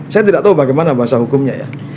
saya tidak tahu bagaimana bahasa hukumnya ya